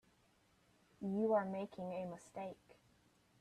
You are making a mistake.